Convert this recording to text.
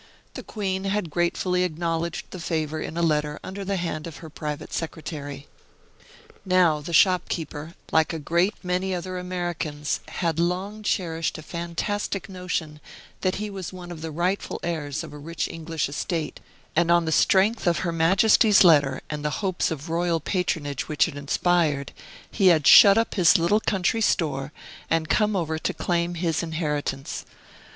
The Queen had gratefully acknowledged the favor in a letter under the hand of her private secretary. Now, the shopkeeper, like a great many other Americans, had long cherished a fantastic notion that he was one of the rightful heirs of a rich English estate; and on the strength of her Majesty's letter and the hopes of royal patronage which it inspired, he had shut up his little country store and come over to claim his inheritance.